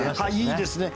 いいですね。